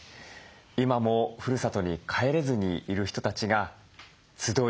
今もふるさとに帰れずにいる人たちが集い